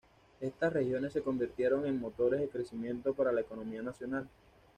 Estas regiones se convirtieron en motores de crecimiento para la economía nacional.